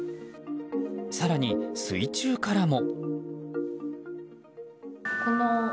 更に、水中からも。